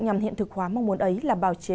nhằm hiện thực hóa mong muốn ấy là bào chế